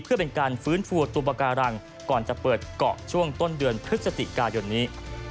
เพื่อเป็นการฟื้นฟูตัวปาการังก่อนจะเปิดเกาะช่วงต้นเดือนพฤศจิกายนนี้